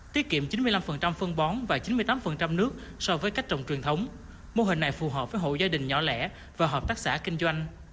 tiết kiệm chín mươi năm phân bón và chín mươi tám nước so với cách trồng truyền thống mô hình này phù hợp với hộ gia đình nhỏ lẻ và hợp tác xã kinh doanh